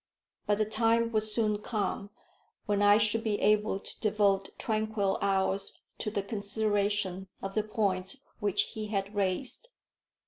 But the time would soon come when I should be able to devote tranquil hours to the consideration of the points which he had raised.